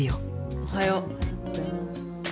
おはよう。